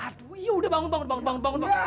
aduh ya udah bangun bangun